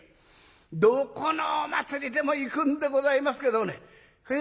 どこのお祭りでも行くんでございますけどもねえ